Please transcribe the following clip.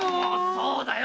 そうだよ